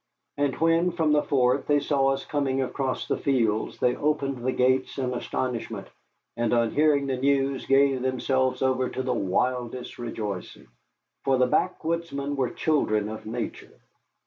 And when from the fort they saw us coming across the fields they opened the gates in astonishment, and on hearing the news gave themselves over to the wildest rejoicing. For the backwoodsmen were children of nature.